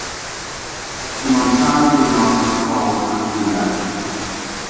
Dim ond dau ddiwrnod sydd ar ôl tan y gwyliau.